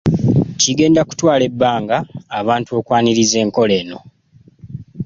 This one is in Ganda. Kigenda kutwala ebbanga abantu okwaniriza enkola eno.